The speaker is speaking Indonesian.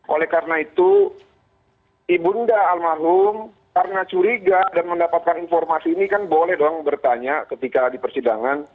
oleh karena itu ibunda almarhum karena curiga dan mendapatkan informasi ini kan boleh dong bertanya ketika di persidangan